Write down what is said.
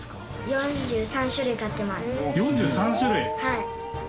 ４３種類！